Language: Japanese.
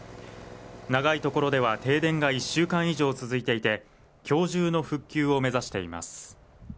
長いところでは停電が１週間以上続いていて今日中の復旧を目指しています